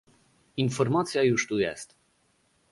Informacja już tu jest